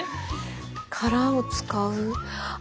殻を使うあ！